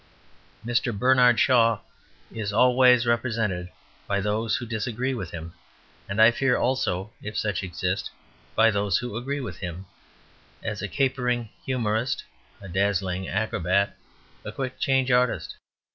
Mr. Bernard Shaw is always represented by those who disagree with him, and, I fear, also (if such exist) by those who agree with him, as a capering humorist, a dazzling acrobat, a quick change artist.